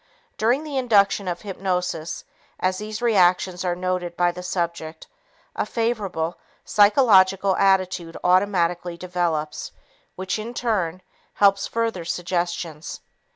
During the induction of hypnosis, as these reactions are noted by the subject, a favorable, psychological attitude automatically develops which, in turn, helps further suggestions.